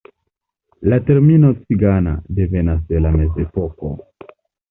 La termino "cigana" devenas de la mezepoko.